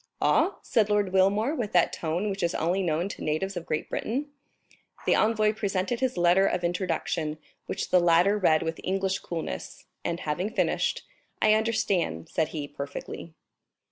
"Aw?" said Lord Wilmore, with that tone which is only known to natives of Great Britain. The envoy presented his letter of introduction, which the latter read with English coolness, and having finished: "I understand," said he, "perfectly."